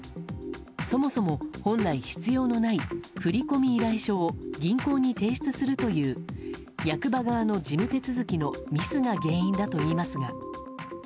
そもそも、本来必要のない振込依頼書を銀行に提出するという役場側の事務手続きのミスが原因だといいますが。